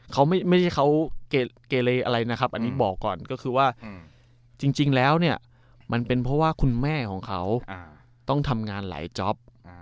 เขาไม่ใช่เขาเกเลอะไรนะครับอันนี้บอกก่อนก็คือว่าจริงแล้วเนี่ยมันเป็นเพราะว่าคุณแม่ของเขาต้องทำงานหลายจ๊อป